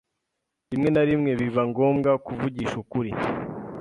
Rimwe na rimwe biba ngombwa kuvugisha ukuri.